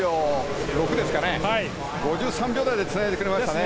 ５３秒台でつないでくれましたね。